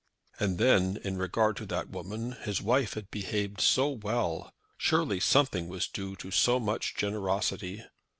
And then, in regard to that woman, his wife had behaved so well! Surely something was due to so much generosity.